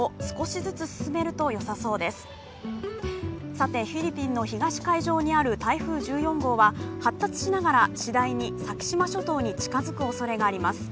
さてフィリピンの東海上にある台風１４号は発達しながら次第に先島諸島に近づくおそれがあります。